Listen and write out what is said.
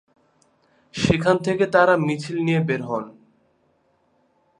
সেখান থেকে তাঁরা মিছিল নিয়ে বের হন।